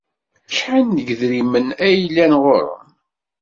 Acḥal n yedrimen ay yellan ɣur-m?